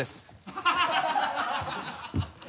・ハハハ